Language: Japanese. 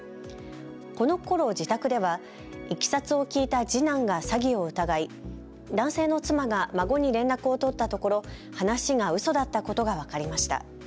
このころ自宅では、いきさつを聞いた次男が詐欺を疑い男性の妻が孫に連絡を取ったところ話がうそだったことが分かりました。